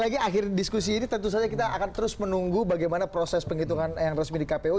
lagi akhir diskusi ini tentu saja kita akan terus menunggu bagaimana proses penghitungan yang resmi di kpu